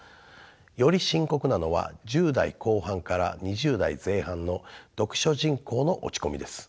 より深刻なのは１０代後半から２０代前半の読書人口の落ち込みです。